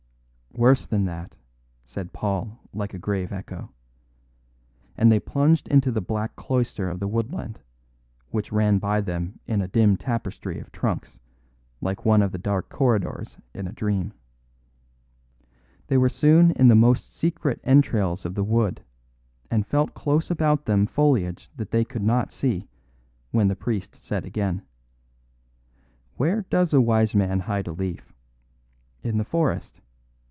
"Worse than that," said Paul like a grave echo. And they plunged into the black cloister of the woodland, which ran by them in a dim tapestry of trunks, like one of the dark corridors in a dream. They were soon in the most secret entrails of the wood, and felt close about them foliage that they could not see, when the priest said again: "Where does a wise man hide a leaf? In the forest.